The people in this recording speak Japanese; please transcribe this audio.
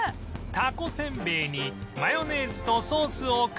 タコせんべいにマヨネーズとソースをかけて